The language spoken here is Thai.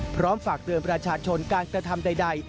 พร้อมฝากเตือนประชาชนการกระทำใด